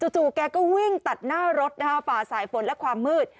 จู่แกก็วิ่งตัดหน้ารถฝ่าสายฝนและความมืด